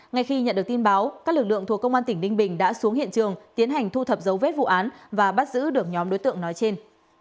ngay khi nhận được tin báo các lực lượng thuộc công an tỉnh ninh bình đã xuống hiện trường tiến hành thu thập dấu vết vụ án và bắt giữ được nhóm đối tượng nói trên